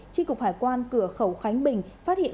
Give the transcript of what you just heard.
tri cục hải quan cửa khẩu khánh bình phát hiện